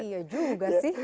iya juga sih